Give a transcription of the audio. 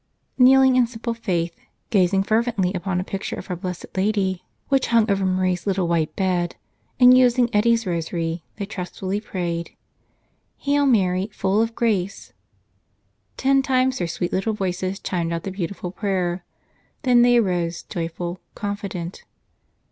Kneeling in simple faith, gazing fervently upon a picture of our Blessed Lady which hung over Marie's little white bed, and using Eddie's rosary, they trust¬ fully prayed, "Hail, Mary, full of grace ." Ten times their sweet little voices chimed out the beautiful prayer. Then they arose, joyful, confident.